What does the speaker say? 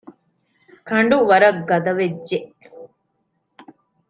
ކަނޑުވަރަށް ގަދަ ވެއްޖެ